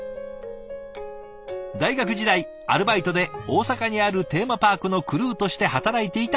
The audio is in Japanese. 大学時代アルバイトで大阪にあるテーマパークのクルーとして働いていた野口さん。